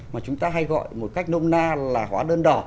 mà chúng ta hay gọi một cách nôm na là hóa đơn đỏ